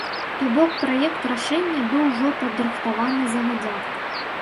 То бок праект рашэння быў ужо падрыхтаваны загадзя.